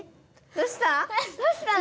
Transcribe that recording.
どうしたの？